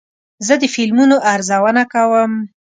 زه د فلمونو ارزونه کوم.